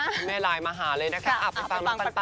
คุณแม่ไลน์มาหาเลยนะคะเอาฟังปั่นเลยค่ะ